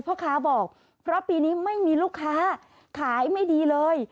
พ่อค้าบอกเพราะปีนี้ไม่มีลูกค้าขายไม่ดีเลย